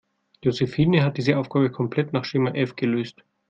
Josephine hat die Aufgabe komplett nach Schema F gelöst.